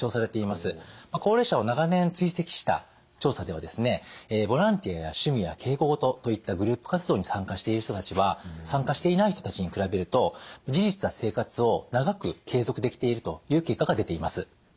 高齢者を長年追跡した調査ではですねボランティアや趣味や稽古事といったグループ活動に参加している人たちは参加していない人たちに比べると自立した生活を長く継続できているという結果が出ています。